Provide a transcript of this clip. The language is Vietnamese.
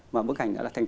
mà bức ảnh đã thành công